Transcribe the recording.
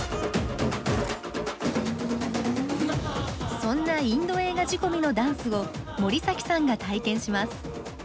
そんなインド映画仕込みのダンスを森崎さんが体験します。